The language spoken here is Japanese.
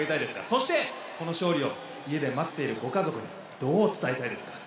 そしてこの勝利を家で待っているご家族にどう伝えたいですか？